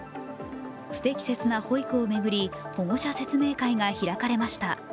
不適切な保育を巡り、保護者説明会が開かれました。